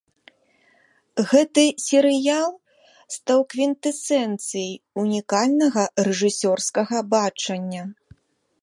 Гэты серыял стаў квінтэсэнцыяй унікальнага рэжысёрскага бачання.